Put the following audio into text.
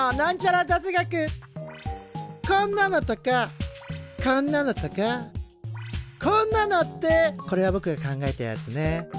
こんなのとかこんなのとかこんなのってこれはぼくが考えたやつね。